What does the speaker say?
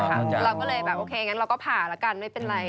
เราก็เลยแบบโอเคงั้นเราก็ผ่าแล้วกันไม่เป็นไร